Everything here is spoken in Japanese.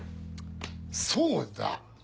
そうだ！